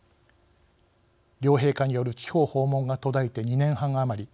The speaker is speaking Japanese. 両陛下による地方訪問が途絶えて２年半余り。